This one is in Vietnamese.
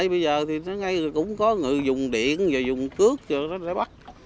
bây giờ thì nó ngay cũng có người dùng điện và dùng cước cho nó bắt